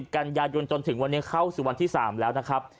กันยายนจนถึงวันนี้เข้าสู่วันที่๓แล้วนะครับ